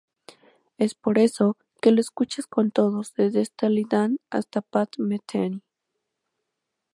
Es por eso que lo escuchas con todos, desde Steely Dan hasta Pat Metheny.